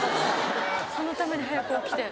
そのために早く起きて。